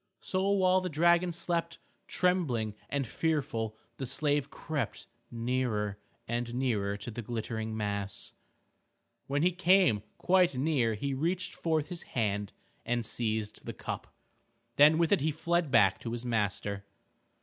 So while the dragon slept, trembling and fearful the slave crept nearer and nearer to the glittering mass. When he came quite near he reached forth his hand and seized the cup. Then with it he fled back to his master.